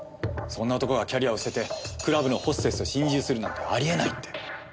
そんな男がキャリアを捨ててクラブのホステスと心中するなんてありえないって。